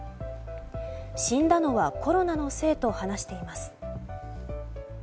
死んだのはコロナのせいと話しています。